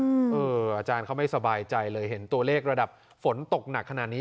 อาจารย์เขาไม่สบายใจเลยเห็นตัวเลขระดับฝนตกหนักขนาดนี้